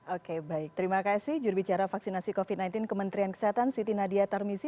oke baik terima kasih jurubicara vaksinasi covid sembilan belas kementerian kesehatan siti nadia tarmizi